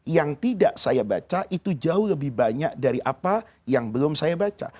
yang tidak saya baca itu jauh lebih banyak dari apa yang belum saya baca